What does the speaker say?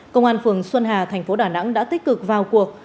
công an phường xuân hà thành phố đà nẵng đã tích cực vào cuộc